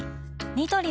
ニトリ